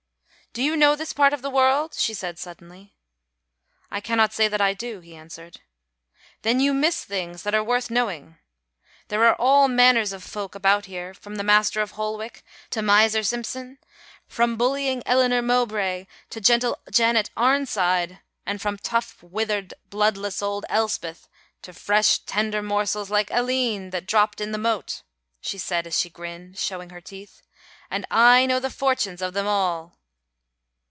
"Do you know this part of the world?" she said suddenly. "I cannot say that I do," he answered. "Then you miss things that are worth knowing. There are all manners of folk about here from the Master of Holwick to miser Simson, from bullying Eleanor Mowbray to gentle Janet Arnside, and from tough, withered, bloodless old Elspeth to fresh tender morsels like Aline that dropped in the moat," she said as she grinned, shewing her teeth, "and I know the fortunes of them all."